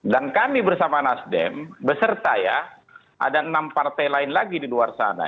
dan kami bersama nasdem beserta ya ada enam partai lain lagi di luar sana